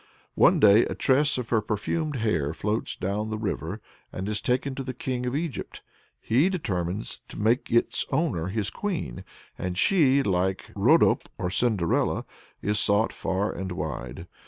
One day a tress of her perfumed hair floats down the river, and is taken to the King of Egypt. He determines to make its owner his queen, and she, like Rhodope or Cinderella, is sought for far and wide.